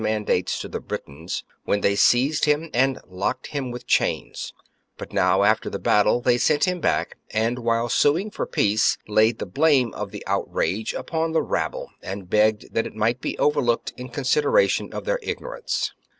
mandates to the Britons, when they seized him and loaded him with chains ; but now, after the battle, they sent him back, and, while suing for peace, laid the blame of the outrage upon the rabble, and begged that it might be overlooked in con sideration of their ignorance.